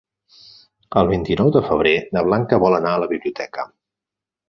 El vint-i-nou de febrer na Blanca vol anar a la biblioteca.